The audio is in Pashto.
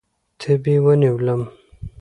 تبې ونیولم.